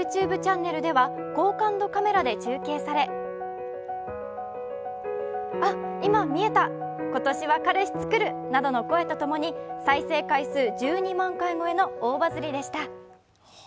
チャンネルでは高感度カメラで中継されあ、今見えた、今年は彼氏つくるなどの声とともに、再生回数１２万回超えの大バズリでした。